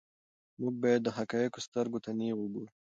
موږ باید د حقایقو سترګو ته نیغ وګورو.